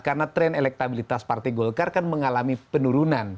karena tren elektabilitas partai golkar kan mengalami penurunan